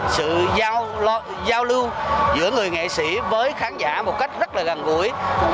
sự giao lưu giữa người nghệ sĩ với khán giả một cách rất là gần gũi